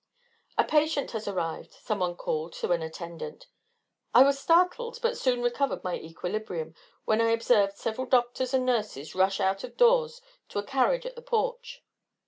"A patient has arrived," some one called to an attendant. I was startled, but soon recovered my equilibrium, when I observed several doctors and nurses rush out of doors to a carriage at the porch.